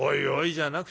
じゃなく